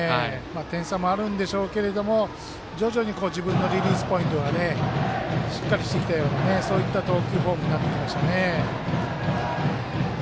点差もあるんでしょうけれど徐々に自分のリリースポイントがしっかりしてきたようなそういった投球フォームになってきましたね。